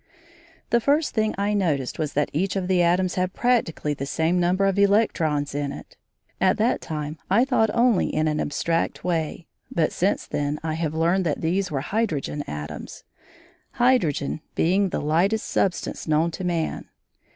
The first thing I noticed was that each of the atoms had practically the same number of electrons in it. At that time I thought only in an abstract way, but since then I have learned that these were hydrogen atoms; hydrogen being the lightest substance known to man.